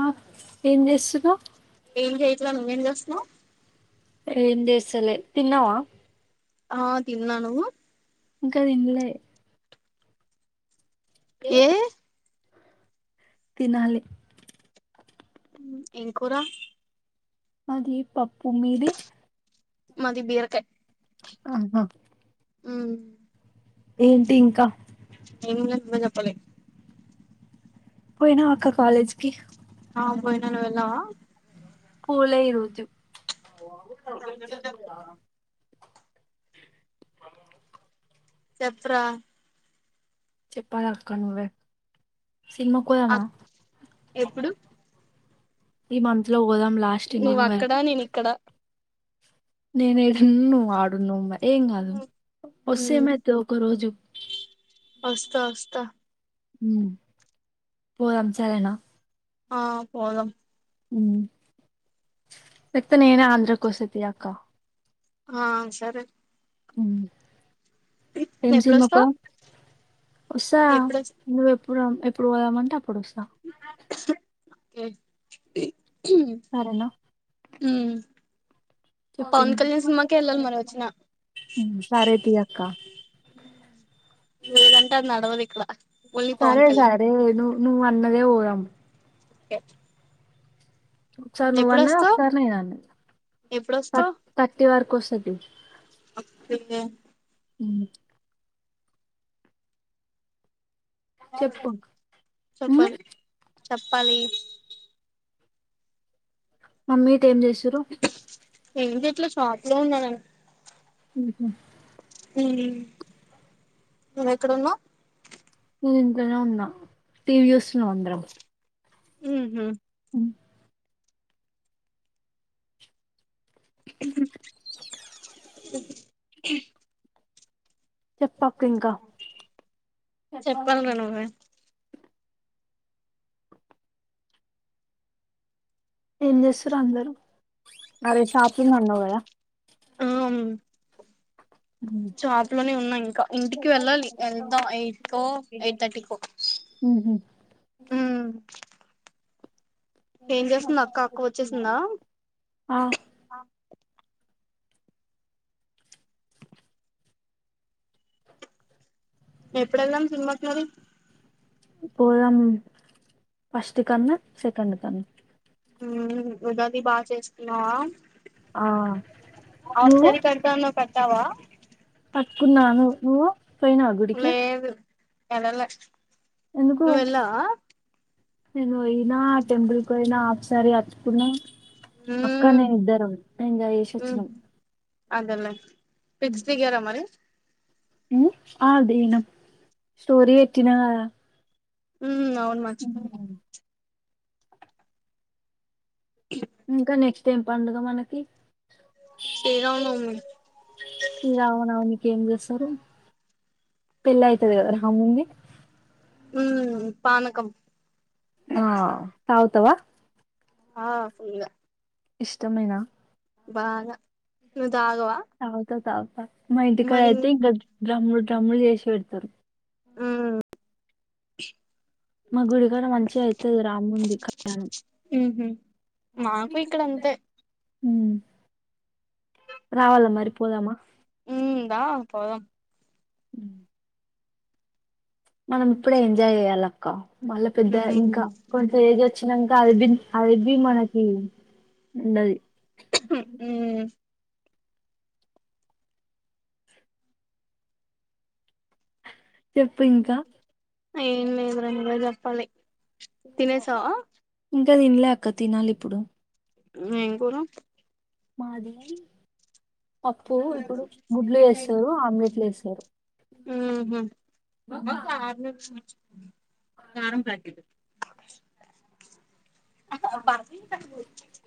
ఆ ఏం చేస్తున్నా వ్ ఏం చేయట్ల నువ్వేం జెస్ ఓ ఏంచేస్తాలే తిన్నావా ఆ తిన్న్నా నువ్వు గద్ యిండ్లే ఏ తినాలి ఏం కూర అది పప్పు మీది మది బీరకాయ్ ఆహా మ్మ్ ఏంటి ఇంకా ఏం లేదు నువ్వే చెప్పలి పోయినావక్క కాాలేజ్కి ఆ పోయినా నువ్ వెళ్లావా పోలే ఈరోజు చేస్త చెప్పురా చెప్పాలక్క నువ్వే సినిమాకి పోదామా అక్ ఎప్పుడు ఈ మంత్ లో పోదాం లాస్ట్ ఇం నువ్వు అక్కడ నేను ఇక్కడ నేను ఇడున్ను నువ్ ఆడున్ను మే ఏం కాదు వస్తె మ్మ్ ఏమయితావ్ ఒక రోజు వస్తా వస్తా మ్మ్ పోదాం సరేనా ఆ పోదాం మ్మ్ ఎక్త నేనే ఆంధ్ర కో వసైతి అక్క ఆ సరే మ్మ్ ఏం సినిమా కి ఎప్పుడొస్తావ్ పోదాం వస్తారా ఎప్పుడొస్ నువ్వెప్ ఇప్పుడు ఎప్పుడు పోదమ్ముంటే అప్పుడు వస్తు [unintelligible] ఉ సరేనా పవన్ చెప్పింది కళ్యాణ్ సినిమాకే వెళ్ళాలి మన వచ్చినా. సరే తీ అక్క ఏదంటే అది నడవదు ఇక్కడ ఓన్లీ పవన్ కళ్యాణ్. ను అన్నదే పోదాం ఓకే ఒకసారి నువ్వన్నా ఒకసారి నేను అన్నథర్ ఎప్పుడొస్తావ్ థర్టీ వరకు కోసకి [unintelligible] ఉ చెప్పు చెప్పండి చెప్పాలి మమ్మీటె ఏం చేసురు ఎం చేయట్ల షాప్ లో ఉన్నాడం ఇక ఉ నువ్వ ఎక్కడు ఉన్నావ్ ఇంట్లోనే ఉన్నాం టీవి చూస్తున్నం అందరం ఉ హ్మ్ ఉ చెప్ప అక్క ఇంకా చెప్పాలిరా నువ్వే ఏం చేస్తారు అందరుూ అదే షాపింగ్ అన్నావు కదా ఆవు షాప్ లోనే ఉన్నాం ఇంకా ఇంటికి వెళ్ళాలి వెళ్దాం ఎయిట్ కో ఎయిట్ థర్టీకో. ఏం చేస్తున్నా అక్క అక్క వచ్చేసిందా. ఆ ఎప్పుడు వెళ్దాం సినిమాకి మరి పోయాం ఫస్ట్ కన్న సెకండ్ కన్నా ఉగాది బాగా చేస్తుకున్నావా ఆ అవును కడతా అన్నావ్ కట్టావా కట్టుకున్నాను నువ్వు పోయినావ గుడికి ఎల్లలే ఎందుకు నువ్వెళ్ళవా నేను పోయినా ఆ టెంపుల్ కు పోయినా ఒకసారి అచ్చకున్నా అక్క ఉమ్ నేను ఇద్దరు ఎంజాయ్ చేసోచ్చినాం అదల ఫిక్స్ దిగారా మరి ఆ దిగినం స్టోరీ వెట్టిన కద ఊ అవును మచిపో ఇంకనే ఏమ్ పండుగ మనకి శ్రీరామానవమి ఈ రామనవమికి ఏం చేస్తారు పెళ్లి ఐతదికదా రాముంది ఉ పానకం ఆ తాగుతవా ఆ ఫుల ఇష్టమేనా బాగా ఉ తఉత తాగ్ తా మా ఇంటి కాడ మరి అయితే ఇగ డ్రముడ్ [unintelligible] డ్రముల చేసి పెడతారు ఊ మా గుడిగాడ మంచి గయితది రామ్ముంది కళ్యాణం ఉహు మాకు ఇకడంతే రావాల మరి పోదమా ఉమ్ దా పోదం ఉ మనం ఇప్పుడే ఎంజాయ్ చెయ్యాలి అక్క మళ్ళా పెద్ద ఉమ్ ఇంకా కొంత ఏజ్ వచ్చినన్ అరబి అరబీ మనకి ఉండది [unintelligible] ఊ చెప్పు ఇంకా ఏం లేదురా నువ్వే జప్పాలి ఇం ఇంగ తినలే అక్క తినాలి ఇప్పుడు ఉ ఎం కూర మాది పప్పు ఉహు ఇప్పుడు గుడ్లు వేస్తారు ఆమ్లెట్లు వేస్తారు [inaudible] కారం ప్యాకెట్ [unintelligible] ఆహ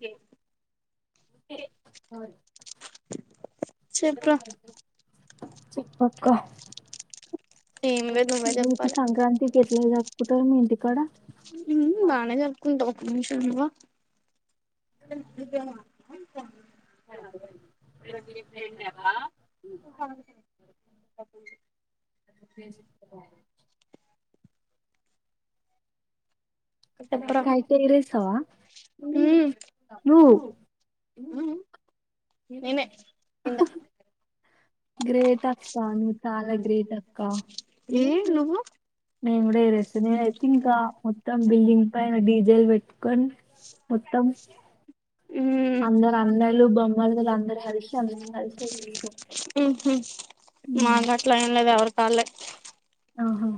గే ఒకే స్వారీ చెప్పురా చెప్పక్క ఏం లేదు నువ్వే నీకు చెప్పాలి సంక్రాంతికి ఎ చీర కట్టుకు తొంగొంటి ఉ ఉ బానే జరుపుకుంటవు మంచునవ [unintelligible] ప్రతీపు ఫ్రెండబ్బ చెప్పరా కైట్ ఎగ్రేసవా ఉమ్ నువ్వు ఉమ్ నేనే కింద గ్రేట్ అక్క నువ్వు చాలా గ్రేట్ అక్క ఏ నువ్వు నేను కూడా ఎగరేస్తా నేనయితే ఇంకా మొత్తం బిల్డింగ్ పైన డీజెల్ పెట్టి క్కన్ మొత్తం ఊ అందరు అన్నలు బొమ్మలు వీళ్ళు అందరు కలిసి అందరం కలిసి ఎగరేస్తాం ఉహు మాగట్ల ఏం లేదు ఎవరికి తాల్లే ఆహా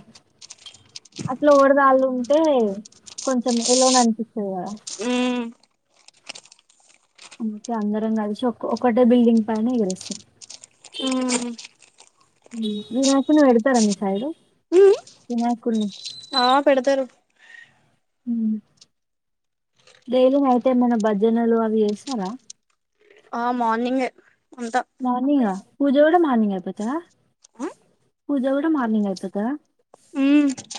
అట్లా ఎవరిది ఆళ్ళు ఉంటే కొంచెం ఎలానో అనిపిస్తది కదా ఉమ్ కే అందరం కలిసి ఒక ఒక్కటే బిల్డింగ్ పైన ఎగరేస్తం హ్మ్ మీకు నాకువుడతారా [unintelligible] నాకు ఆ పెడతరు డైలీ అయితే ఏమైనా భజనలు అవి చేస్తారా ఆ మార్నింగే అంతా మార్నింగా పూజ కూడా మార్నింగ్ [unintelligible] హ్మ్ పూజ కూడా మార్నింగ్ అయిపోద్దా ఉహు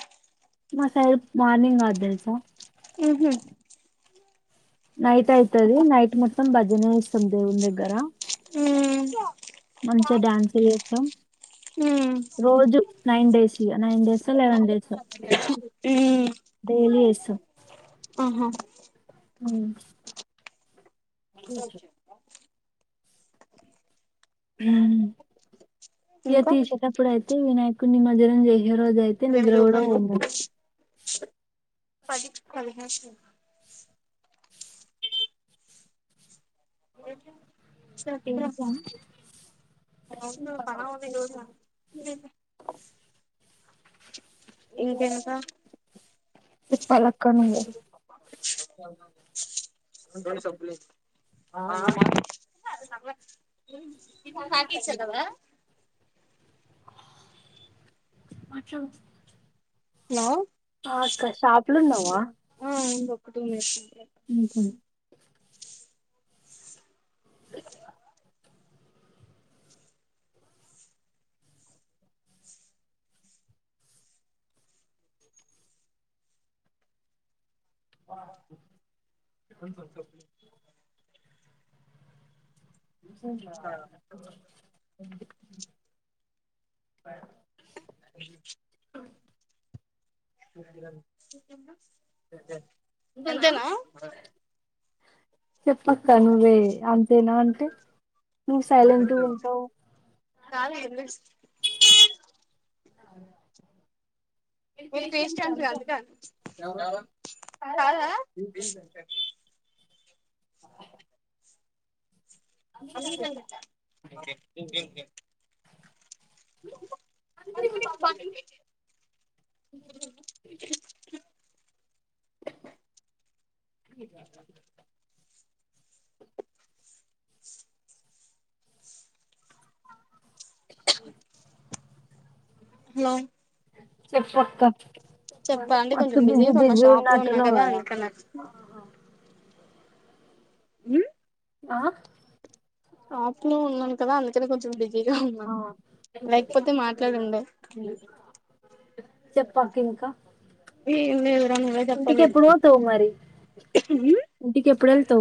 మా సైడ్ మార్నింగ్ అవదు తెలుసా ఊహూ నైట్ అయితది నైట్ మొత్తం భజనే ఇస్తుంది దేవు ఉమ్ మంచిగ డ్యాన్స్ చేస్తాం ఉమ్ రోజూ నైన్ డేస్ ఇగ నైన్ డేసో లెవెన్ డేసో ఉమ్ డైలీ చేస్తాం. ఆహా హ్మ్ అ హ్మ్ ఇంకా యతీష కప్పుడయితే వినాయ కొన్ని మందిరం చేయి ఏ రోజు అయితే ఇవేమి నిద్ర కూడా రూపాయలు పోం మరి పది పదిహేను ఓకే [unintelligible] ఇంతే గా చెప్పాలక్క నువ్వే [unintelligible] ఇవి హేగీసే కదా [inaudible] హలో ఆ అక్క షాపులున్నావా ఆ ఇంకొక టూ మినిట్స్ [inaudible] థమ్సప్ [inaudible] [inaudible] [inaudible] [inaudible] అంతేనా చెప్పస్త ను్వే అంతే నన్ టీ నువ్ సైలెంట్ ఉంటావు చాల ఎన్నా అ మీ కస్ట్ అందుక కాాలా అమీర్ కా బీటా ఆ ఎమ్ చెపు ఉమ్ అందుకే నేను బాత్రూం [inaudible] [inaudible] అ చెక్క చెప్పండి మ కొంచెం బిజ బిజీగా ఉన్నా బిజ షాప్ లో ఉన్నా ఉన్నటన్వాల కదా అందుకని ఉమ్ ఆ ఆప్పుల ఉన్నానుకదా అందుకదే కొంచెం అమ్మా లేకపోతే ఆ. మాట్లాడుండే చెప్పాకింకా ఏ లేదురంగే తప్పలే పోతావు మరి కుత్త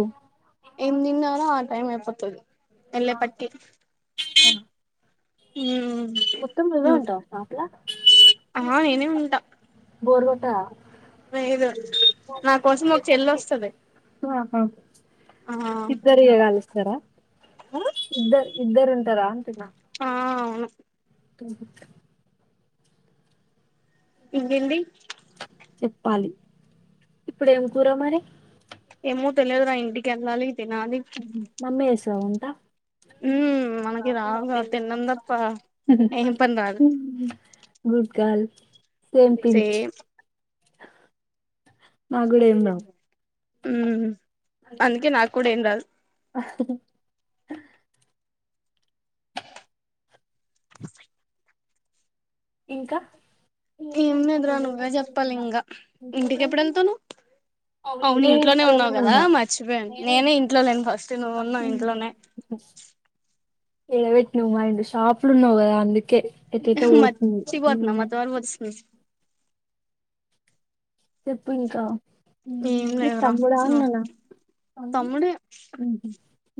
ఎమి తన్నాార ఆ టైం ఎ పతుదుదు ఎల పట్టి మొత్తం నువ్వే ఉమ్ ఉంటావు షాప్లా ఆ నేనే ఉంటా బోర్వట లేదు నా కోసం ఒక చెల్లి వస్తుంది ఆ ఇద్దరు ఏగ అనిస్తస్తార ఇద్దరు ఇద్దరు ఉంట ర అంటునా ఆ అవును కనిపితా ఎంద ఎంది చెప్పాలి ఇప్పుడు ఏం కూర మరి ఏమో తెలియదు రా ఇంటికి వెళ్ళాలి తినాలి మమ్మసా ఉంట ఉమ్ మనకి రావుగా తినడం తప్ప ఏం పని రాదు గుడ్ గల్ సేమ్ పించ్ నాకు కూడా అే ఏం రావు ఉమ్మ్ అందుకే నా కూడా ఏం రాదు ఇంకా ఏం లేదురా నువ్వే చెప్పాలి ఇంకా ఇంటికి ఎప్పుడంతోనవు అవును నేను ఇంట్లోనే ఉన్నావు కదా ఉన్నా మర్చిపోయాను నేనే ఇంట్లో లేను ఫస్ట్ నువ్వు ఉన్నావు ఇంట్లోనే ఏవట్ నువ్ మైండ్ షాప్లు ఉన్నావ్ గద అందుకే ఎటెటో మ పోతుంది సిగోత్ నా హ్మ్ మత్ వర్బతు చెప్పు ఇంకా ఏం ఇ లేదురా తమ్ముడా అన్ననా తమ్ముడే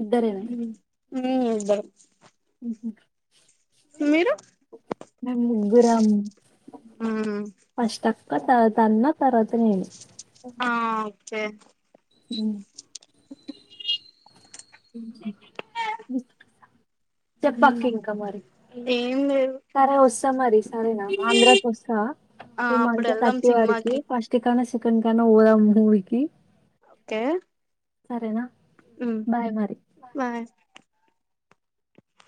ఇద్దరేనా ఉమ్ ఇద్దరం మీరు మ ముగ్గురం ఉమ్ ఫాస్ట్ అక్క తర న్నా తర్వతనను ఆ ఓకే అ చెపక్క ఉమ్ ఇంకా మరి ఏం లేదు సరే వస్తా మరి సరేనా ఆంధ్రాకి వస్తా ఆ ఈ అప్పుడు మంత్ వెళ్దాం థర్టీ వారికి సినిమాకి ఫస్టికా ఎక్కడి కన్నా పోదాం మూవీ కి ఒకే సరేనా హ్మ్మ్ బాయ్ మరి